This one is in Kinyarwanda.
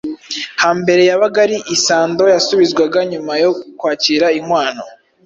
Hambere yabaga ari isando yasubizwaga nyuma yo kwakira inkwano,